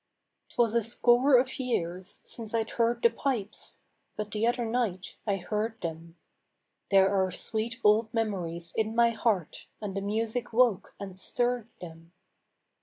'Twas a score of years since I'd heard the pipes, But the other night I heard them; There are sweet old memories in my heart, And the music woke and stirred them.